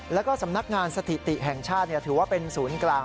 แล้วก็สำนักงานสถิติแห่งชาติถือว่าเป็นศูนย์กลาง